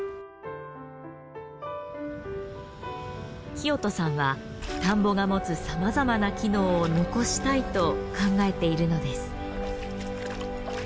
聖人さんは田んぼが持つさまざまな機能を残したいと考えているのです。